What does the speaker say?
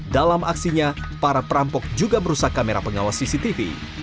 dalam aksinya para perampok juga merusak kamera pengawas cctv